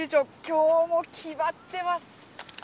今日もきまってます！